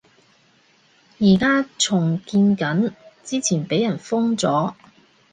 而家重建緊，之前畀人封咗